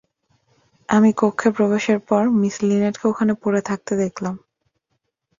আমি কক্ষে প্রবেশের পর মিস লিনেটকে ওখানে পড়ে থাকতে দেখলাম!